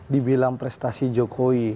dibilang prestasi jokowi